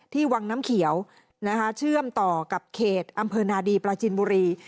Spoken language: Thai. วังน้ำเขียวนะคะเชื่อมต่อกับเขตอำเภอนาดีปราจินบุรี